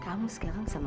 kamu sekarang sama asma